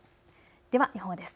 では予報です。